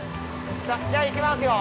じゃあいきますよ。